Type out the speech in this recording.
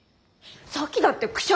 さっきだってくしゃ。